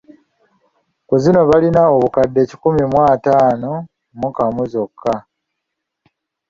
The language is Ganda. Ku zino balinako obukadde kikumi ataano mu kamu zokka.